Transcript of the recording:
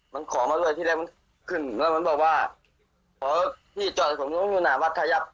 มันขอมาด้วยที่แรกมันขึ้นแล้วมันบอกว่าอ๋อที่จอดผมนู้นอยู่หน้าวัดท่ายับ